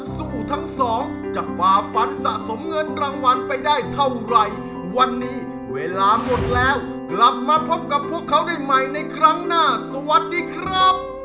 สวัสดีครับ